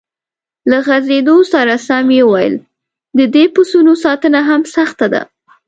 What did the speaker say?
له غځېدو سره سم یې وویل: د دې پسونو ساتنه هم سخته ده.